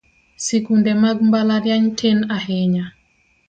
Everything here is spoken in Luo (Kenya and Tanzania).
Sikunde mag mbalariany tin ahinya